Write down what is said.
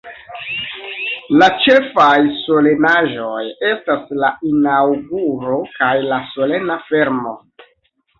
La ĉefaj solenaĵoj estas la Inaŭguro kaj la Solena Fermo.